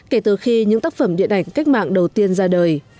kể từ khi những tác phẩm điện ảnh cách mạng đầu tiên ra đời